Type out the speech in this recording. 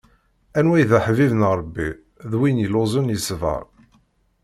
Anwa i d aḥbib n Ṛebbi, d win yelluẓen yesbeṛ.